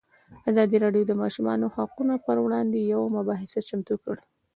ازادي راډیو د د ماشومانو حقونه پر وړاندې یوه مباحثه چمتو کړې.